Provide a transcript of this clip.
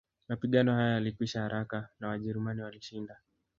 Mapigano hayo yalikwisha haraka na Wajerumani walishinda